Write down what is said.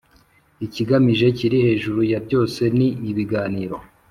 ikigamijwe kiri hejuru ya byose ni ibiganiro